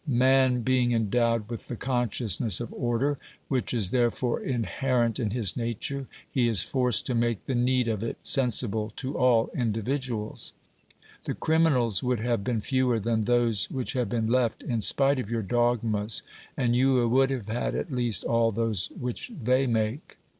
Man being endowed with the consciousness of order, which is there fore inherent in his nature, he is forced to make the need of it sensible to all individuals. The criminals would have been fewer than those which have been left in spite of your dogmas, and you would have had, at least, all those which they make.